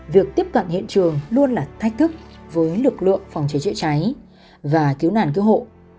việc tiếp cận hiện trường luôn là thách thức với lực lượng phòng cháy chữa cháy và cứu nàn cứu hộ